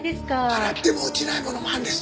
洗っても落ちないものもあるんです！